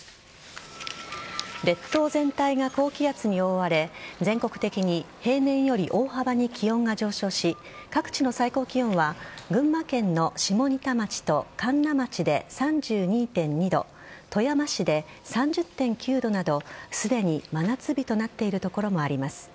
列島全体が高気圧に覆われ全国的に平年より大幅に気温が上昇し各地の最高気温は群馬県の下仁田町と神流町で３２．２度富山市で３０．９度などすでに真夏日となっている所もあります。